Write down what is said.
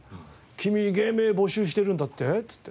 「君芸名募集してるんだって？」っつって。